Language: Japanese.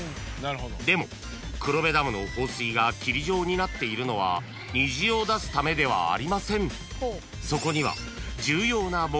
［でも黒部ダムの放水が霧状になっているのは虹を出すためではありません］